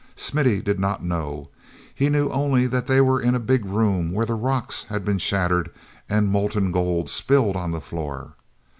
Smithy did not know. He knew only that they were in a big room where the rocks had been shattered and molten gold spilled on the floor.